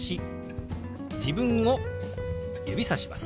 自分を指さします。